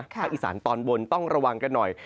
อีสานตอนบนต้องระวังกันหน่อย